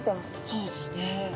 そうですね。